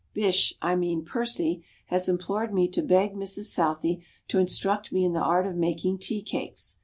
Bysshe, I mean Percy, has implored me to beg Mrs Southey to instruct me in the art of making tea cakes.